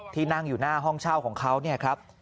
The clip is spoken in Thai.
ที่นั่งอยู่หน้าห้องเช่าของเขาเนี่ยครับ